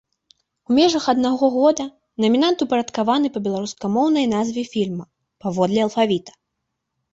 У межах аднаго года намінанты ўпарадкаваны па беларускамоўнай назве фільма паводле алфавіта.